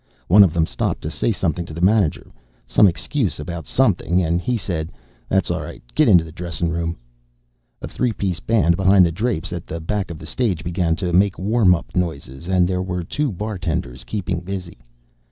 One of them stopped to say something to the manager, some excuse about something, and he said: "That's aw ri'; get inna dressing room." A three piece band behind the drapes at the back of the stage began to make warm up noises and there were two bartenders keeping busy.